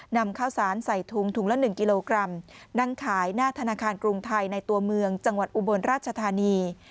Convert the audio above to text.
นำข้าวสารใส่ถุงถุงละ๑กิโลกรัมนั่งขายหน้าธนาคารกรุงไทยในตัวเมืองจังหวัดอุบลราชธานี